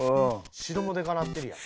城もでかなってるやん。